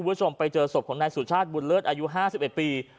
คุณผู้ชมไปเจอศพของนายสุชาติบุญเลิศอายุ๕๑ปี